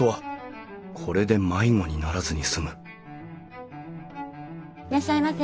これで迷子にならずに済むいらっしゃいませ。